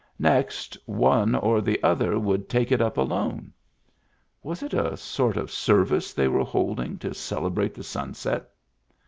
Next, one or the other would take it up alone. Was it a sort of service they were holding to celebrate the sunset?